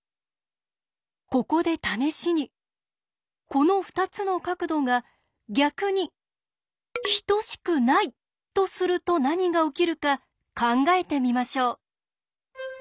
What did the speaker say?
ここで試しにこの２つの角度が逆に等しくないとすると何が起きるか考えてみましょう。